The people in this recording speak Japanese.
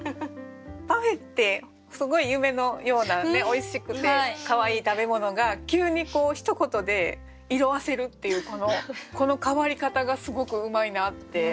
「パフェ」ってすごい夢のようなおいしくてかわいい食べ物が急にひと言で色あせるっていうこの変わり方がすごくうまいなって。